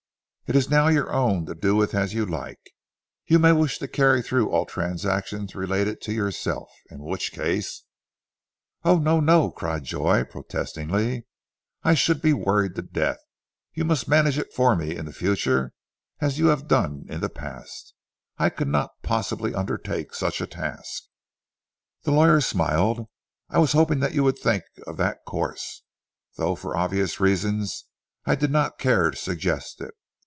It is now your own to do with as you like. You may wish to carry through all transactions relating to it yourself, in which case " "Oh no! no!" cried Joy protestingly. "I should be worried to death. You must manage it for me in the future as you have done in the past. I could not possibly undertake such a task." The lawyer smiled. "I was hoping that you would think of that course, though, for obvious reasons I did not care to suggest it.